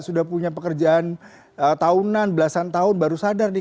sudah punya pekerjaan tahunan belasan tahun baru sadar nih